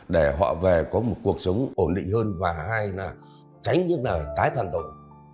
để họ về có một cuộc sống ổn định hơn và hai là tránh những lời tái phạm tội